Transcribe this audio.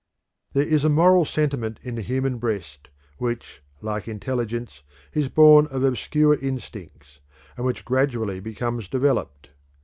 There is a moral sentiment in the human breast which, like intelligence, is born of obscure instincts, and which gradually becomes developed.